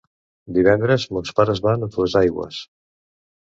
Divendres mons pares van a Duesaigües.